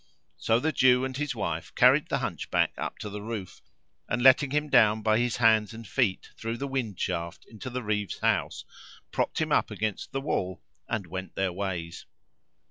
So the Jew and his wife carried the Hunchback up to the roof; and, letting him down by his hands and feet through the wind shaft[FN#500] into the Reeve's house, propped him up against the wall and went their ways.